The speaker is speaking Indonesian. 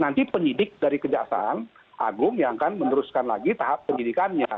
nanti penyidik dari kejaksaan agung yang akan meneruskan lagi tahap penyidikannya